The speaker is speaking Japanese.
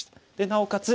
なおかつ